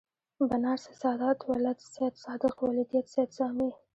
بنارس سادات ولد سیدصادق ولدیت سید سامي